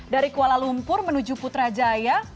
dari kuala lumpur menuju putrajaya